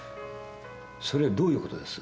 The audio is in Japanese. それよりどういうことです？